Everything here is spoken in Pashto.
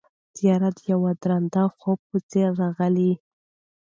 تیاره د یوه دروند خوب په څېر راغله.